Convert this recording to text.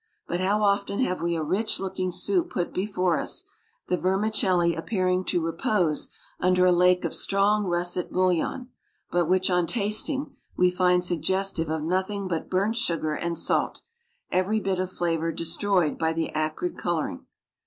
But how often have we a rich looking soup put before us, the vermicelli appearing to repose under a lake of strong russet bouillon, but which, on tasting, we find suggestive of nothing but burnt sugar and salt, every bit of flavor destroyed by the acrid coloring.